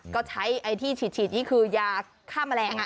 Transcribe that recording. ก็ใช้ไอที่ฉีดนี่คือยาฆ่ามะแรงอ่ะ